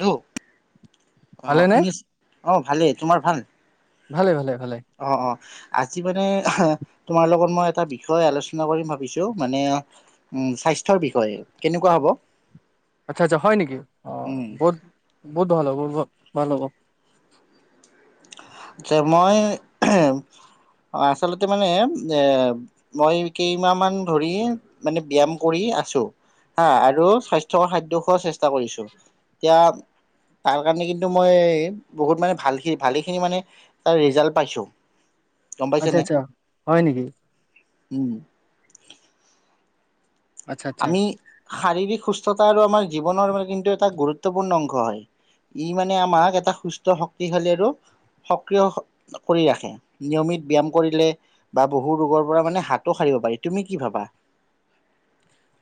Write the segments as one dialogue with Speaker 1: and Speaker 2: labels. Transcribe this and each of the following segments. Speaker 1: ধু
Speaker 2: ভালে
Speaker 1: অ'
Speaker 2: নে
Speaker 1: শুনি আছো অ' ভালেই। তোমাৰ ভাল?
Speaker 2: ভালে। ভালে। ভালে
Speaker 1: অ- অ। আজি মানে তোমাৰ লগত মই এটা বিষয় আলোচনা কৰিম ভাবিছো মানে উ স্বাস্থ্যৰ বিষয়ে। কেনেকুৱা হ'ব?
Speaker 2: আচ্ছা -আচ্ছা। হয় নেকি? অ'
Speaker 1: উম
Speaker 2: বহুত বহুত ভাল হ' ব। ভাল হ'ব।
Speaker 1: আচ্ছা মই আচলতে মানে এ মই কেইমাহ মান ধৰি মানে ব্যায়াম কৰি আছো। হা, আৰু স্বাস্থ্য খাদ্য খোৱাৰ চেষ্টাও কৰিছো। এতিয়া, তাৰ কাৰণে কিন্তু মই বহুত মানে ভাল সিদ্ধ ভালেখিনি মানে তাৰ ৰিজাল্ট পাইছোঁ।
Speaker 2: আচ্ছা। আচ্ছা। হয় নেকি?
Speaker 1: উম।
Speaker 2: আচ্ছা আচ্ছা
Speaker 1: আমি শাৰীৰিক সুস্থ সুস্থতা আৰু আমাৰ জীৱনৰ কিন্তু এটা গুৰুত্বপূৰ্ণ অংশ হয়। ই মানে আমাক এটা সুস্থ শক্তিশালী আৰু সক্ৰিয় কৰি ৰাখে। নিয়মিত ব্যায়াম কৰিলে বা বহু ৰোগৰ পৰা মানে হাতো সাৰিব পাৰি। তুমি কি ভাবা?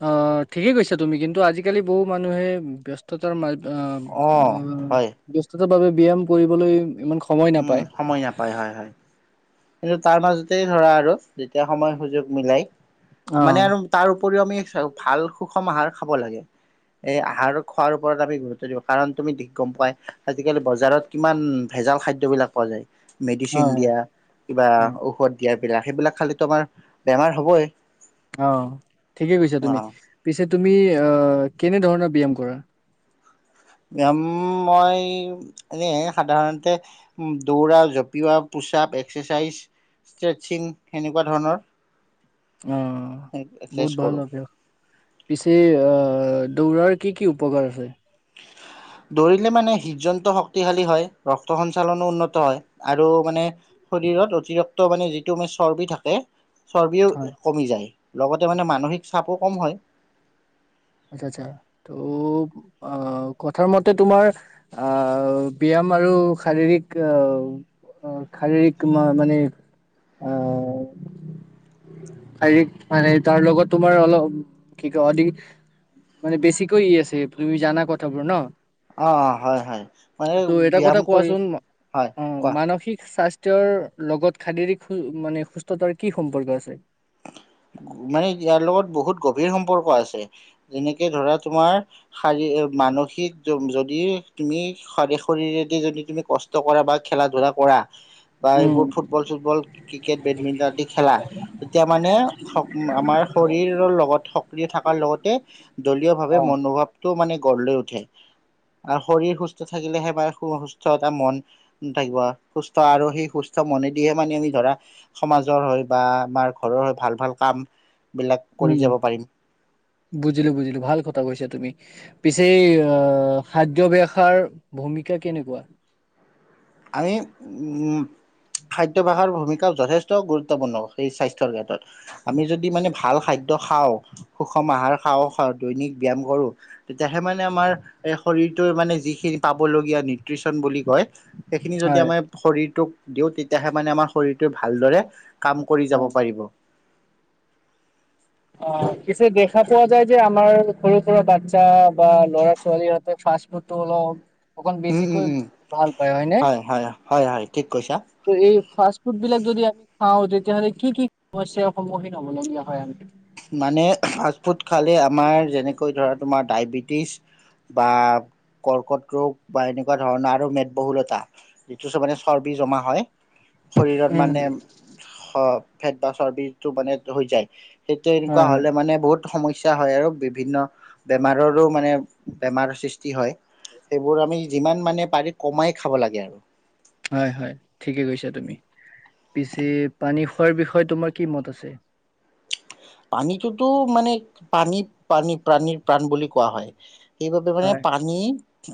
Speaker 2: অ ঠিকেই কৈছা তুমি কিন্তু, আজিকালি বহু মানুহে ব্যস্ততাৰ মাজ অ
Speaker 1: অ
Speaker 2: ব্য
Speaker 1: হয়
Speaker 2: ব্যস্ততা বাবে ব্যায়াম কৰিবলৈ ইমান সময়
Speaker 1: উম
Speaker 2: নাপায়
Speaker 1: সময় নাপায়। হয়-হয়। কিন্ত তাৰ মাজতেই ধৰা আৰু যেতিয়া সময় সুযোগ মিলাই
Speaker 2: অ
Speaker 1: মানে আৰু তাৰ উপৰিও আমি চাওক ভাল সুষম আহাৰ খাব লাগে। এই আহাৰ খোৱাৰ ওপৰত আমি গুৰুত্ব দিব লাগে কাৰণ তুমি গম পোৱাই আজিকালি বজাৰত কিমান ভেজাল খাদ্য হেইবিলাক খোৱা যায়। মেডিচিন
Speaker 2: হয়
Speaker 1: দিয়া। কিবা
Speaker 2: হয়
Speaker 1: ঔষধ দিয়া। এইবিলাক- সেইবিলাক খালেতো আমাৰ বেমাৰ হ'বই।
Speaker 2: অ'। ঠিকে কৈছা
Speaker 1: অ
Speaker 2: তুমি। পিছে তুমি কেনে ধৰণৰ ব্যয়াম কৰা?
Speaker 1: ব্যায়াম মই এনে সাধাৰণতে দৌৰা, জপিওৱা, পোচ-আপ, এক্সাৰচাইজ, ষ্ট্ৰেটছিং সেনেকুৱা ধৰণৰ।
Speaker 2: অ'
Speaker 1: এক্সাৰচাইজ
Speaker 2: বহুত
Speaker 1: কৰোঁ
Speaker 2: ভাল অভ্যাস। পিছে আহ দৌৰাৰ কি কি উপকাৰ আছে?
Speaker 1: দৌৰিলে মানে হৃদযন্ত্ৰ শক্তিশালী হয়। ৰক্ত সঞ্চালনো উন্নত হয় আৰু মানে শৰীৰত অতিৰিক্ত মানে যিটো মানে চৰ্বি থাকে
Speaker 2: অ
Speaker 1: চৰ্বিও কমি যায়। লগতে মানে মানসিক চাপো কম হয়।
Speaker 2: আচ্ছা আচ্ছা ত' আহ কথাৰ মতে তোমাৰ আহ ব্যায়াম আৰু শাৰীৰিক আহ শাৰীৰিক মানে আহ শাৰীৰিক মানে তাৰ লগত তোমাৰ অলপ কি কয় অধিক মানে বেছিকৈ ই আছে তুমি জানা কথাবোৰ ন
Speaker 1: অ অ হয় হয় মানে
Speaker 2: ত' এটা কথা
Speaker 1: ব্যায়াম কৰি
Speaker 2: কোৱাচোন
Speaker 1: হয়
Speaker 2: অ
Speaker 1: কোৱা
Speaker 2: মানসিক স্বাস্থ্যৰ লগত শাৰীৰিক মানে সুস্থতাৰ কি সম্পৰ্ক আছে
Speaker 1: মানে ইয়াৰ লগত বহুত গভীৰ সম্পৰ্ক আছে যেনেকে ধৰা তোমাৰ শাৰী মানসিক যদি তুমি শাৰ শৰীৰেদি যদি তুমি কষ্ট কৰা বা খেলা ধূলা কৰা বা
Speaker 2: উম
Speaker 1: এইবোৰ ফুটবল চুটবল ক্ৰিকেট বেডমিন্টন আদি খেলা তেতিয়া মানে আমাৰ শৰীৰৰ লগত সক্ৰিয় থকাৰ লগতে দলীয় ভাৱে
Speaker 2: অ
Speaker 1: মনোভাৱ টো মানে গঢ় লৈ উঠে আৰু শৰীৰ সুস্থ থাকিলেহে মে সুস্থ এটা মন থাকিব সুস্থ আৰু সেই সুস্থ মনেদিহে মানে আমি ধৰা সমাজৰ হৈ বা আমাৰ ঘৰৰ হয় ভাল ভাল কাম বিলাক কৰি
Speaker 2: উম
Speaker 1: যাব পাৰিম
Speaker 2: বুজিলো বুজিলো ভাল কথা কৈছা তুমি পিছে এই অহ খাদ্যভ্যাসাৰ ভূমিকা কেনেকোৱা
Speaker 1: আমি উ খাদ্যাভ্যাসৰ ভূমিকা যথেষ্ট গুৰুত্বপূৰ্ণ সেই স্বাস্থ্যৰ ক্ষেত্ৰত আমি যদি মানে ভাল খাদ্য খাওঁ সুষম আহাৰ খাওঁ দৈনিক ব্যায়াম কৰো তেতিয়াহে মানে আমাৰ এই শৰীৰটোৰ মানে যিখিনি পাবলগীয়া নিউট্ৰিচন বুলি কয় সেইখিনি যদি
Speaker 2: হয়
Speaker 1: আমাৰ শৰীৰটোক দিও তেতিয়াহে মানে আমাৰ শৰীৰটোয়ে ভালদৰে কাম কৰি যাব পাৰিব
Speaker 2: অ পিছে দেখাত পোৱা যায় যে আমাৰ সৰু সৰু বাচ্ছা বা ল'ৰা ছোৱালীহতে ফাষ্ট ফুডটো অলপ অকন
Speaker 1: উম, উম,
Speaker 2: বেছিকৈ
Speaker 1: উম,
Speaker 2: ভাল পায় হয়নে
Speaker 1: হয়, হয়, হয়, হয়, ঠিক কৈছা।
Speaker 2: ত এই ফাষ্ট ফুড বিলাক যদি আমি খাওঁ তেতিয়াহ'লে কি কি সমস্যাৰ সন্মুখীন হ'বলগীয়া হয় আমি
Speaker 1: মানে ফাষ্ট ফুড খালে আমাৰ যেনেকৈ ধৰা তোমাৰ ডায়বেটিছ বা কৰ্কট ৰোগ বা এনেকোৱা ধৰণৰ আৰু মেদবহুলতা যিটো চ মানে চৰ্বি জমা হয় শৰীৰত
Speaker 2: উম
Speaker 1: মানে শ ফেট বা চৰ্বিটো মানে হৈ যায় সেইটো এনেকোৱা
Speaker 2: হয় হয়
Speaker 1: হ'লে মানে বহুত সমস্যা হয় আৰু বিভিন্ন বেমাৰৰো মানে বেমাৰ সৃষ্টি হয় সেইবোৰ আমি যিমান মানে পাৰি কমাই খাব লাগে আৰু
Speaker 2: হয় হয় ঠিকে কৈছা তুমি পিছে পানী খোৱাৰ বিষয়ে তোমাৰ কি মত আছে
Speaker 1: পানীটোতো মানে প্ৰানী প্ৰানী প্ৰাণীৰ প্ৰাণ বুলি কোৱা হয় সেইবাবে মানে
Speaker 2: হয়
Speaker 1: পানী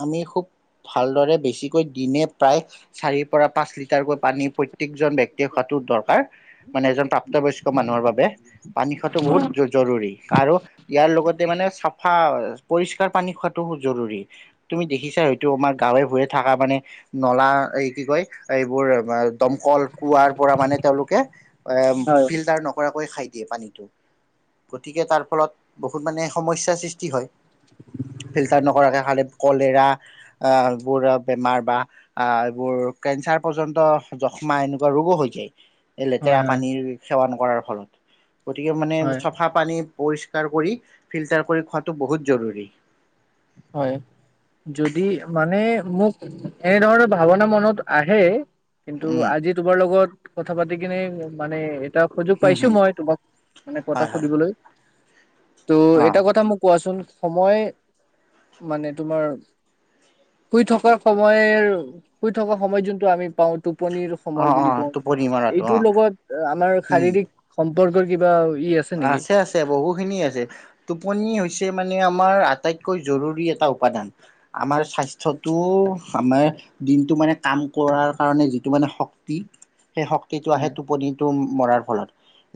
Speaker 1: আমি খুব ভালদৰে বেছিকৈ দিনে প্ৰায় চাৰিৰ পৰা পাঁচ লিটাৰকৈ পানী প্ৰত্যেকজন ব্যক্তিয়ে খোৱাটো দৰকাৰ মানে এজন প্ৰাপ্তবয়স্ক মানুহৰ বাবে পানী খোৱাটো বহুত জৰুৰী আৰু ইয়াৰ লগতে মানে চাফা পৰিষ্কাৰ পানী খোৱাাটো জৰুৰী তুমি দেখিছা হয়টো আমাৰ গাঁৱে ভূৱে থকা মানে নলা এই কি কয় এইবোৰ দমকল কৱাৰ পৰা মানে তেওঁলোকে এ
Speaker 2: হয়
Speaker 1: ফিল্টাৰ নকৰাক কৈ খাই দিয়ে পানীটো গতিকে তাৰ ফলত বহুত মানে সমস্যাৰ সৃষ্টি হয় ফিল্টাৰ নকৰাকে খালে কলেৰা এইবোৰ বেমাৰ বা এইবোৰ কেঞ্চাৰ পৰ্যন্ত যক্ষ্মা এনেকুৱা ৰোগো হৈ যায় এই লেতেৰা
Speaker 2: হয় হয়
Speaker 1: পানীৰ সেৱা নক কৰাৰ ফলত গতিকে মানে
Speaker 2: হয়
Speaker 1: চাফা পানী পৰিষ্কাৰ কৰি ফিল্টাৰ কৰি খোৱাটো বহুত জৰুৰী
Speaker 2: হয় যদি মানে মোক এনেধৰণৰ ভাৱনা মনত আহে কিন্তু
Speaker 1: উম
Speaker 2: আজি তোমাৰ লগত কথা পাতি কিনে মানে এটা সুযোগ
Speaker 1: হম
Speaker 2: পাইছো
Speaker 1: হম
Speaker 2: মই তোমাক মানে
Speaker 1: হয়
Speaker 2: পতা
Speaker 1: হয়
Speaker 2: সুধিবলৈ তো
Speaker 1: অ
Speaker 2: এটা কথা মোক কোৱাচোন সময় মানে তোমাৰ শুই থকা সময়ৰ শুই থকা সময় যোনটো আমি পাওঁ তো টোপনিৰ
Speaker 1: অ
Speaker 2: সময় বুলি
Speaker 1: অ
Speaker 2: কওঁ
Speaker 1: টোপনি মৰাটো
Speaker 2: এইটোৰ
Speaker 1: অ
Speaker 2: লগত আমাৰ
Speaker 1: উম
Speaker 2: শাৰীৰিক সম বৰ কিবা ই নেকি?
Speaker 1: আছে আছে বহুখিনি আছে টোপনি হৈছে মানে আমাৰ আটাইতকৈ জৰুৰী এটা উপাদান আমাৰ স্বাস্থ্যটো আমাৰ দিনটো মানে কাম কৰাৰ কাৰণে যিটো মানে শক্তি সেই শক্তিটো আহে
Speaker 2: হয়
Speaker 1: টোপনি টো মৰাৰ ফলত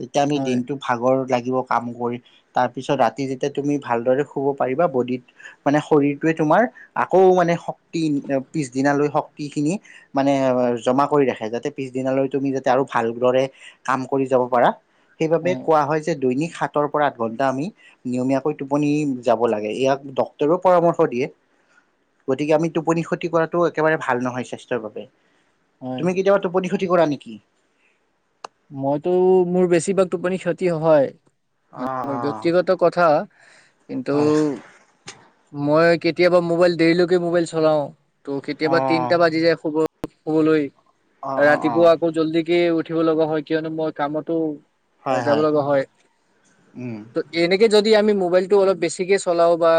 Speaker 1: এতিয়া আমি
Speaker 2: হয়
Speaker 1: দিনটো আগৰ লাগিব কাম কৰি তাৰপিছত ৰাতি যেতিয়া তুমি ভালদৰে শুব পাৰিবা বডিত মানে শৰীৰটোৱে তোমাৰ আকৌ মানে শক্তি পিছদিনালৈ শক্তিখিনি মানে জমা কৰি ৰাখে যাতে পিছদিনালৈ তুমি যাতে আৰু ভালদৰে কাম কৰি যাব পাৰা। সেইবাবে
Speaker 2: হয়
Speaker 1: দৈনিক সাতৰ পৰা আঠ ঘন্টা আমি নিয়মীয়াকৈ টোপনি যাব লাগে ইয়াক ডক্তৰেও পৰামৰ্শ দিয়ে গতিকে আমি টোপনি ক্ষতি কৰাটো একেবাৰে ভাল নহয় স্বাস্থ্যৰ বাবে।
Speaker 2: হয়
Speaker 1: তুমি কেতিয়াবা টোপ কট কৰা নেকি
Speaker 2: মইতো মোৰ বেছিভাগ টোপনি ক্ষতি হয় মানে
Speaker 1: অ',
Speaker 2: মোৰ
Speaker 1: অ',
Speaker 2: ব্যক্তিগত কথা কিন্তু
Speaker 1: হয়,
Speaker 2: মই কেতিয়াবা মোবাইল দেৰিলৈকে মোবাইল চলাও ত' কেতিয়াবা
Speaker 1: অ',
Speaker 2: তিনটা বাজি যায় খব কবলৈ
Speaker 1: অ', অ',
Speaker 2: ৰাতিটো
Speaker 1: অ',
Speaker 2: আকৌ জল্দি কি উঠ পঠিব লগা হয় কিয়নো মই কামতো অ যাব লগা হয়
Speaker 1: উম,
Speaker 2: ত এনেকে যদি যদি আমি মোবাইলটো অলপ বেছিকে চলাওঁ বা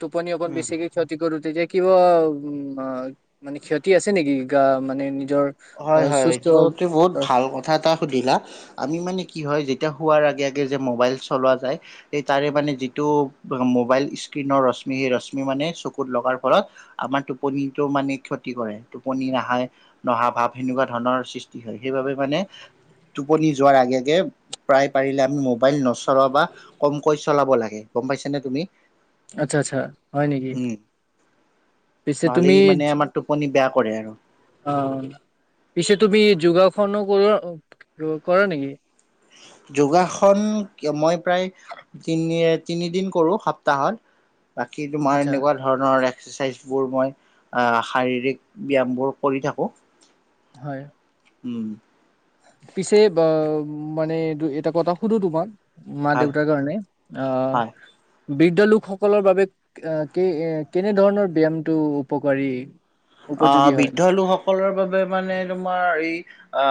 Speaker 2: টোপনি অকণ
Speaker 1: উম।
Speaker 2: বেছিকে ক্ষতি কৰো তেতিয়া কিবা উ মানে ক্ষতি আছে নেকি গা মানে নিজৰ অ
Speaker 1: হয় হয়
Speaker 2: সুস্থ
Speaker 1: এইটো তু বহুত ভাল কথা এটা সুধিলা আমি মানে কি হয় যেত যেতিয়া শুৱাৰ আগে আগে যে মোবাইল চলোৱা যায় সেই তাৰে মানে যিটো মোবাইল ইচকিনৰ ৰশ্মি সেই ৰশ্মি মানে চকুত লগাৰ ফলত আমাৰ টোপনিটো মানে ক্ষতি কৰে টোপনি আহা নহা ভাৱ সেনেকুৱা ধৰণৰ সৃষ্টি হয় সেইবাবে মানে টোপনি যোৱাৰ আগে আগে প্ৰায় পাৰিলে আমি মোবাইল নচলোৱা বা কমকৈ চলাব লাগে গম পাইছানে তুমি
Speaker 2: আচ্ছা আচ্ছা হয় নেকি
Speaker 1: উম
Speaker 2: পিছে
Speaker 1: নহ'লে
Speaker 2: তুমি
Speaker 1: ই মানে আমাৰ টোপনি বেয়া কৰে আৰু
Speaker 2: অ পিছে তুমি যোগাসনো কৰ কৰা নেকি
Speaker 1: যোগাসন মই প্ৰায় তিনি তিনিদিন কৰোঁ সপ্তাহত বাকী তোমাৰ
Speaker 2: আচ্ছা
Speaker 1: এনেকুৱা ধৰণৰ এক এক্সাৰচাইজবোৰ মই আ শাৰীৰিক ব্যায়ামবোৰ কৰি থাকোঁ
Speaker 2: হয়
Speaker 1: উম
Speaker 2: উ মানে এটা কথা সুধো তোমাক মা
Speaker 1: হয়
Speaker 2: দেউতাৰ কাৰনে অ
Speaker 1: হয়।
Speaker 2: বৃদ্ধ লোকসকলৰ বাবে কি এ কেনে ধৰণৰ ব্যায়ামটো উপকাৰী
Speaker 1: আহ
Speaker 2: উপযোগী হয়
Speaker 1: বৃদ্ধ লোকসকলৰ বাবে মানে তোমাৰ এই অ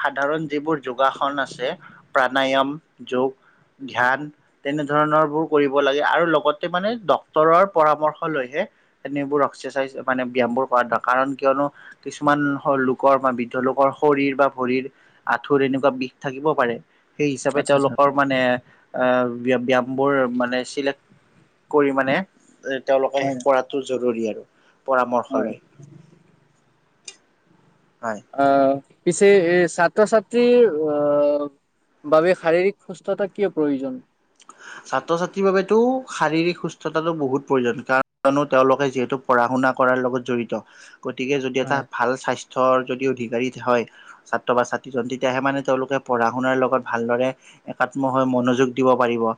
Speaker 1: সাধাৰণ যিবোৰ যোগাসন আছে প্ৰাণায়াম যোগ ধ্যান তেনেধৰণৰ বোৰ কৰিব লাগে আৰু লগতে মানে ডক্তৰৰ পৰামৰ্শ লৈহে তেনেবোৰ এক্সাৰচাইজ মানে ব্যায়ামবোৰ সাদ কাৰণ কিয়নো কিছুমান লোকৰ বা বৃদ্ধ লোকৰ শৰীৰ বা ভৰিৰ আঁঠুৰ এনেকুৱা বিষ থাকিব পাৰে সেই হিচাপে
Speaker 2: আচ্ছা আচ্ছা
Speaker 1: তেওঁলোকৰ মানে আহ ব্যা ব্যায়ামবোৰ মানে চিলেক্ট কৰি মানে তেওঁলোকে
Speaker 2: হয়
Speaker 1: শেষ কৰাটো জৰুৰী আৰু পৰামৰ্শ
Speaker 2: হয়
Speaker 1: লয় হয়
Speaker 2: আহ পিছে এ ছাত্ৰ ছাত্ৰীৰ অ বাবে শাৰীৰিক সুস্থতা কিয় প্ৰয়োজন
Speaker 1: ছাত্ৰ ছাত্ৰীৰ বাবেতো শাৰীৰিক সুস্থতাটো বহুত প্ৰয়োজন কিয়নো তেওঁলোকে যিহেতু পঢ়া শুনা কৰাৰ লগত জড়িত গতিকে যদি এটা
Speaker 2: হয়
Speaker 1: ভাল স্বাস্থ্য স্বাস্থ্যৰ যদি অধিকাৰী হয় ছাত্ৰ বা ছাত্ৰীজন তেতিয়াহে মানে তেওঁলোকে পঢ়া শুনাৰ লগত ভালদৰে একাত্ম হৈ মনোযোগ দিব পাৰিব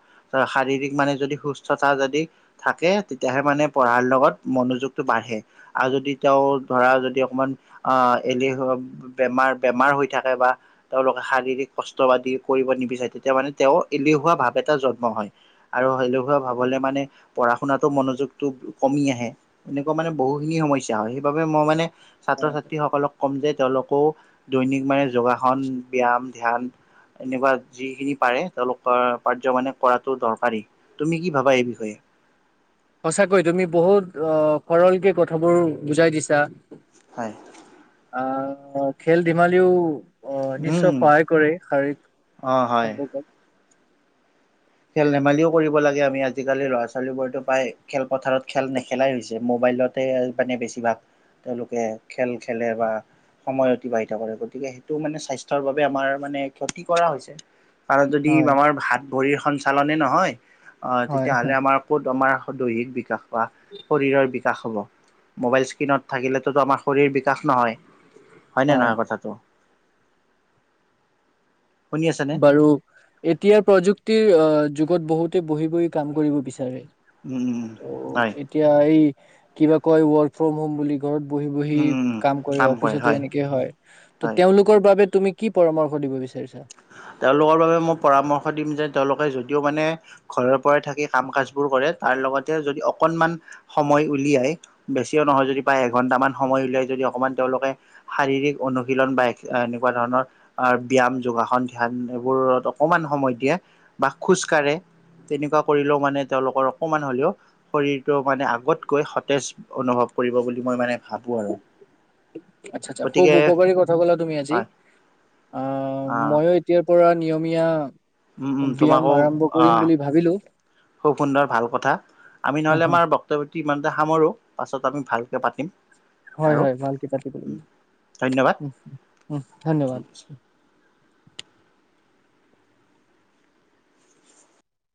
Speaker 1: শাৰীৰিক মানে যদি সুস্থতা যদি থাকে তেতিয়াহে মানে পঢ়াৰ লগত মনোযোগটো বাঢ়ে আৰু যদি তেওঁ ধৰা যদি অকমান আহ এলেহুৱা বেমাৰ বেমাৰ হৈ থাকে বা তেওঁলোকে শাৰীৰিক কষ্ট বাদ দি কৰিব নিবিচাৰে তেতিয়া মানে তেওঁ এলেহুৱা ভাৱ এটা জন্ম জন্ম হয় আৰু এলেহুৱা ভাৱ হ'লে মানে পঢ়া শুনাতো মনোযোগটো কমি আহে এনেকুৱা মানে বহুখিনি সমস্যা হয় সেইবাবে মই মানে ছাত্ৰ
Speaker 2: হয়
Speaker 1: ছাত্ৰীসকলক ক'ম যে তেওঁলোক দৈনিক মানে যোগাসন ব্যায়াম ধ্যান এনেকুৱা যিখিনি পাৰে। তেওঁলোকৰ পাৰ্য মানে। কৰাটো দৰকাৰী তুমি কি ভাবা এই বিষয়ে।
Speaker 2: সঁচাকৈ তুমি বহুত অ সৰলকে কথাবোৰ বুজাই দিছা।
Speaker 1: হয়।
Speaker 2: অ খেল ধিমালিও। অ নিশ্চয়
Speaker 1: উম,
Speaker 2: সহায় কৰে শাৰীৰিক
Speaker 1: অ' হয়।
Speaker 2: সম্পৰ্কত।
Speaker 1: খেল ধেমালিও কৰিব লাগে আমি আজিকালি ল'ৰা ছোৱালীবোৰতো প্ৰায় খেলপথাৰত খেল নেখেলাই হৈছে। মোবাইলতে মানে বেছিভাগ তেওঁলোকে খেল খেলে বা সময় অতিবাহিত কৰে। গতিকে সেইটো মানে স্বাস্থ্যৰ বাবে আমাৰ মানে ক্ষতি কৰা হৈছে। পাৰ যদি
Speaker 2: হয়
Speaker 1: আমাৰ ভাত। ভৰীৰ এখন। চালনে নহয়। অ
Speaker 2: হয়
Speaker 1: তেতিয়াহ'লে আমাৰ ক'ত আমাৰ। দৈহিক বিকাশ। বা শৰীৰৰ বিকাশ হ'ব। মোবাইল স্ক্ৰীণত থাকিলেততো আমাৰ শৰীৰ বিকাশ নহয়। হয় নহয় কথাটো। শুনি আছেনে?
Speaker 2: বাৰু এতিয়াাৰ প্ৰযুক্ত। ক্তিৰ যুগত বহুতে বহি বহি কাম কৰিব বিচাৰে।
Speaker 1: উম উম উম
Speaker 2: ত
Speaker 1: হয়
Speaker 2: এতিয়া এই। কিবা কয় ৱৰ্ক ফ্ৰম হোম বুলি ক। ঘৰত বহি বহি কাম কৰে অফিচতো এনেকে হয় ত
Speaker 1: হয়।
Speaker 2: তেওঁলোকৰ বাবে। তুমি কি পৰামৰ্শ দিব বিচাৰিছা।
Speaker 1: তেওঁলোকৰ বাবে মই পৰামৰ্শ দিম যে তেওঁলোকে যদিও মানে ঘৰৰ পৰাই থাকি কাম কাজবোৰ কৰে তাৰ লগতে যদি অকনমান সময় উলিয়াই বেছিও নহয় যদি বা এঘন্টামান সময় উলিয়াই যদি অকনমান তেওঁলোকে শাৰীৰিক অনুশীলন বা এনেকুৱা ধৰণৰ আহ ব্যয়াম যোগা। ধ্যান এইবোৰত অকমান সময় দিয়ে বা খোজ কাঢ়ে তেনেকুৱা কৰিলেও মানে তেওঁলোকৰ অকমান হ'লেও শৰীৰটো মানে আগতকৈ সতেজ অনুভৱ কৰিব বুলি মই মানে ভাবো আৰু।
Speaker 2: আচ্ছা আচ্ছা খুব
Speaker 1: গতিকে
Speaker 2: উপকাৰী কথা ক'লা তুমি আজি
Speaker 1: হয়
Speaker 2: আ
Speaker 1: আহ
Speaker 2: মইো। এতিয়াৰ পৰা নিয়মীয়া।
Speaker 1: উম উম
Speaker 2: ব্যায়াম
Speaker 1: তোমাকো
Speaker 2: আৰম্ভ কৰিম
Speaker 1: আহ
Speaker 2: বুলি ভাবিলো।
Speaker 1: খুব সুন্দৰ ভাল কথা। আমি
Speaker 2: হা
Speaker 1: নহ'লে
Speaker 2: হা
Speaker 1: আমাৰ বক্তব্যটো। ইমানতেটা সামৰো পাছত আমি ভালকে পাতিম।
Speaker 2: হয়,
Speaker 1: আৰু
Speaker 2: হয় ভাল পিতা পিতি
Speaker 1: ধন্যবাদ।
Speaker 2: উ উম ধন্যবাদ।